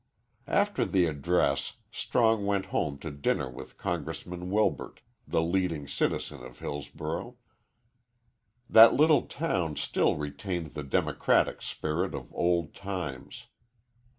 "_ After the address Strong went home to dinner with Congressman Wilbert, the leading citizen of Hillsborough. That little town still retained the democratic spirit of old times.